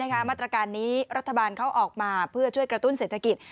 มาตรการนี้รัฐบาลเขาออกมาเพื่อช่วยกระตุ้นเศรษฐกิจ